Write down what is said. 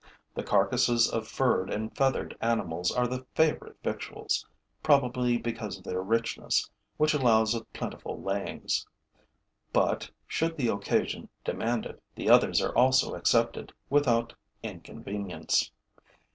The carcasses of furred and feathered animals are the favorite victuals, probably because of their richness, which allows of plentiful layings; but, should the occasion demand it, the others are also accepted, without inconvenience.